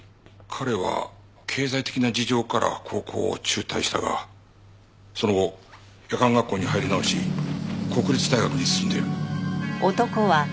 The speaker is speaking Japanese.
彼は経済的な事情から高校を中退したがその後夜間学校に入り直し国立大学に進んでいる。